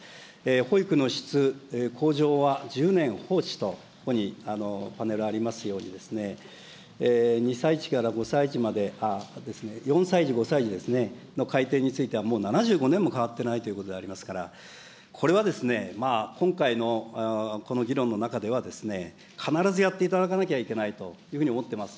保育の質向上は１０年放置と、ここにパネルありますように、２歳児から５歳児まで、４歳児、５歳児ですね、の改定についてはもう７５年も変わってないということでありますから、これはですね、今回のこの議論の中ではですね、必ずやっていただかなきゃいけないと思ってます。